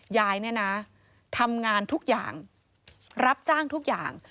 ยายเนี่ยนะทำงานทุกอย่างรับจ้างทุกอย่าง